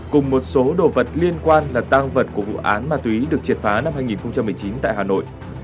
cùng một số đồ vật liên quan là tang vật của vụ án ma túy được triệt phá năm hai nghìn một mươi chín tại hà nội